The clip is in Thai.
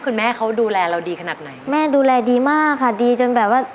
คุณแม่เขาดูแลเราดีขนาดไหนแม่ดูแลดีมากค่ะดีจนแบบว่า